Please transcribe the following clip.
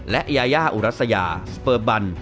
และยายาอุรัสยาสเปอร์บัน